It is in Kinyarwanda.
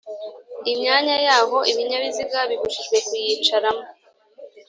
Imyanya y’aho ibinyabiziga bibujijwe kuyicaramo